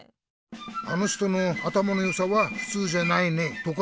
「あの人の頭のよさはふつうじゃないね」とか